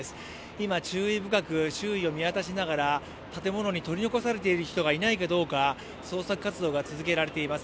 今、注意深く周囲を見渡しながら建物に取り残されている人がいないかどうか、捜索活動が続けられています。